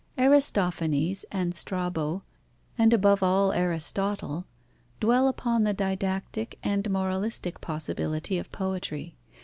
Aristophanes and Strabo, and above all Aristotle, dwell upon the didactic and moralistic possibility of poetry.